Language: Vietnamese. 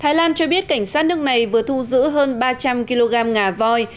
thái lan cho biết cảnh sát nước này vừa thu giữ hơn ba trăm linh kg ngà voi